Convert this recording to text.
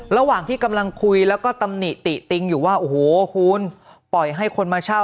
ระหว่างที่กำลังคุยแล้วก็ตำหนิติติงอยู่ว่าโอ้โหคุณปล่อยให้คนมาเช่า